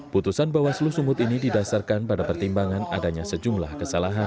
putusan bawaslu sumut ini didasarkan pada pertimbangan adanya sejumlah kesalahan